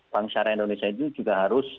bank syariah indonesia ini juga harus